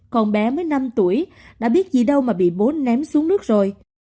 còn bé mới năm tuổi đã biết gì đâu mà bị bố ném xuống nước rồi